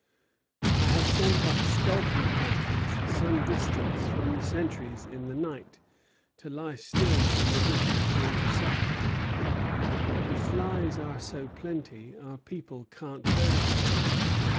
I have sent out skulking parties some distance from the sentries in the night, to lie still in the bushes to intercept them; but the flies are so plenty, our people can't bear them."